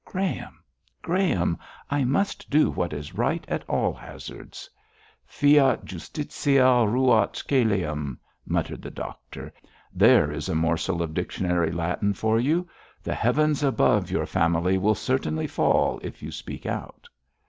'Graham! Graham! I must do what is right at all hazards.' 'Fiat justitia ruat coelum!' muttered the doctor, 'there is a morsel of dictionary Latin for you. The heavens above your family will certainly fall if you speak out.'